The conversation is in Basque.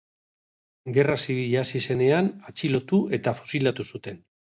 Gerra Zibila hasi zenean, atxilotu eta fusilatu zuten.